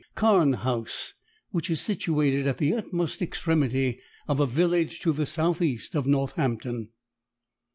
_, Carne House, which is situated at the utmost extremity of a village to the south east of Northampton.